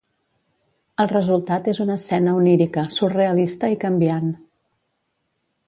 El resultat és una escena onírica surrealista i canviant.